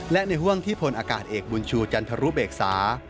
และในห่วงที่พลอากาศเอกบุญชูจันทรุเบกษา